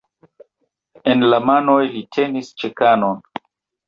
En la manoj li tenis "ĉekanon".